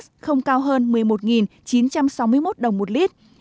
dầu hỏa không cao hơn một mươi năm một trăm một mươi một đồng một lít